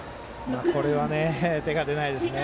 今のは手が出ないですね。